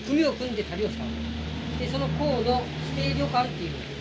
でその講の指定旅館っていう。